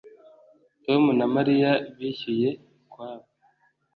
Tom na Mariya bishyuye ukwabo